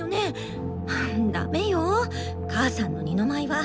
ダメよ母さんの二の舞は！